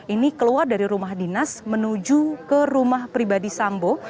ini keluar dari rumah dinas menuju ke rumah pribadi sambo